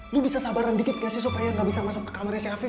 lu bisa sabaran dikit gak sih supaya gak bisa masuk ke kamarnya si afif